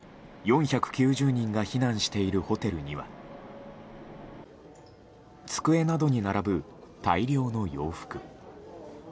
このうち４９０人が避難しているホテルには机などに並ぶ大量の洋服。